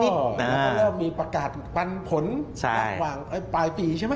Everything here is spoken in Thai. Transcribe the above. แล้วก็เริ่มมีประกาศปันผลระหว่างปลายปีใช่ไหม